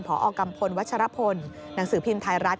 พอกัมพลวัชรพลหนังสือพิมพ์ไทยรัฐ